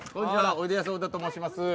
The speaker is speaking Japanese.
おいでやす小田と申します。